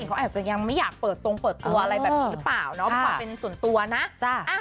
ผู้หญิงเขายังไม่อยากเปิดตัวเปิดตัวไรอ่ะหรือเปล่าพอเป้นส่วนตัวนะ